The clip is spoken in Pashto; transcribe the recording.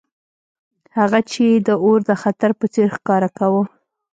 چې هغه یې د اور د خطر په څیر ښکاره کاوه